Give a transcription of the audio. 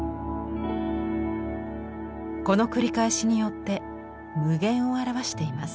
この繰り返しによって無限を表しています。